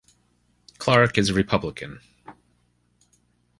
Clarke is a Republican.